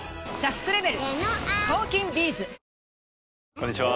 こんにちは。